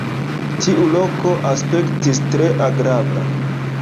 Tiu loko aspektis tre agrabla..